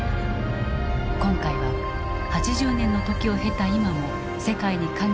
今回は８０年の時を経た今も世界に影を落とし続ける独ソ戦。